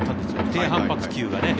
低反発球が。